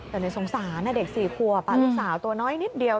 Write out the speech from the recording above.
แต่เลยสงสารนะเด็กสี่ครัวปลาลูกสาวตัวน้อยนิดเดียว